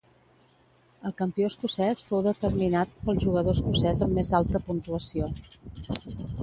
El campió escocès fou determinat pel jugador escocès amb més alta puntuació.